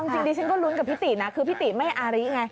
จริงดิฉันก็ลุ้นกับพี่ตินะคือพี่ติไม่อาริไง